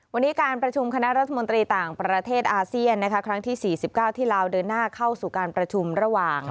วันนี้การประชุมคณะรัฐมนตรีต่างประเทศอาเซียนครั้งที่๔๙ที่ลาวเดินหน้าเข้าสู่การประชุมระหว่าง